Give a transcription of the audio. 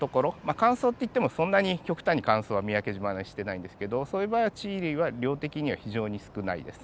乾燥っていってもそんなに極端に乾燥は三宅島はしてないんですけどそういう場合は地衣類は量的には非常に少ないです。